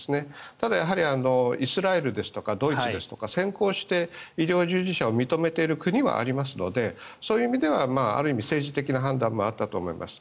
ただ、イスラエルですとかドイツですとか先行して医療従事者を認めている国はありますのでそういう意味ではある意味、政治的な判断もあったと思います。